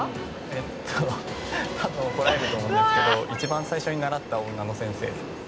「えっと多分怒られると思うんですけど一番最初に習った女の先生です」